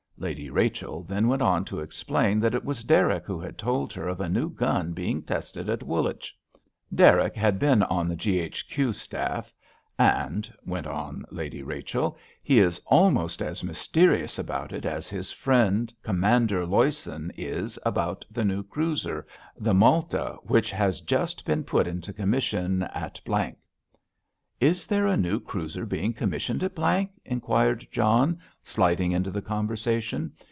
Lady Rachel then went on to explain that it was Derrick who had told her of a new gun being tested at Woolwich. Derrick had been on the G.H.Q. Staff, "and," went on Lady Rachel, "he is almost as mysterious about it as his friend Commander Loyson is about the new cruiser—the Malta, which has just been put into commission at ——" "Is there a new cruiser being commissioned at ——?" inquired John, sliding into the conversation.